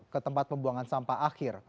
ke tempat pembuangan sampah akhir